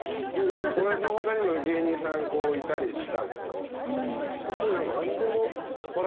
俺の他にも芸人さんいたりしたんすけどすごい。